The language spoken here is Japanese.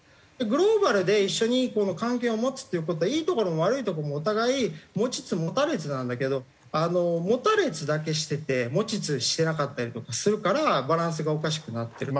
グローバルで一緒にこの関係を持つっていう事はいいところも悪いところもお互い持ちつ持たれつなんだけど「持たれつ」だけしてて「持ちつ」してなかったりとかするからバランスがおかしくなってる。